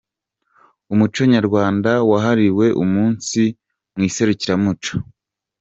Umuco nyarwanda wahariwe umunsi mu iserukiramuco